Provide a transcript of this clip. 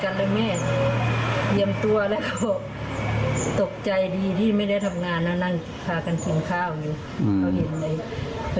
แล้วเราไปได้ไปบอกกล่าวสิ่งศักดิ์สิทธิ์ปะ